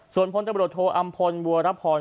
ส่วนพลตัวบริโธมอำพลบัรพร